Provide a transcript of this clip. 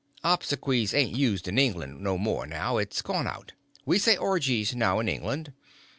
Obsequies ain't used in England no more now—it's gone out. We say orgies now in England.